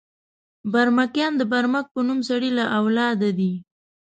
برمکیان د برمک په نوم سړي له اولاده دي.